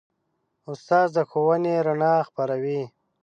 استاد د ښوونې رڼا خپروي.